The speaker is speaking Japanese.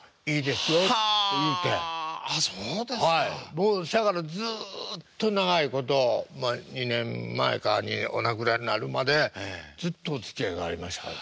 僕せやからずっと長いことまあ２年前かにお亡くなりになるまでずっとおつきあいがありましたからね。